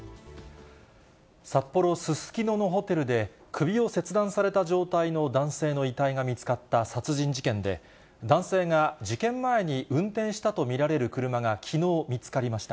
札幌・すすきののホテルで首を切断された状態の男性の遺体が見つかった殺人事件で、男性が事件前に運転したと見られる車が、きのう見つかりました。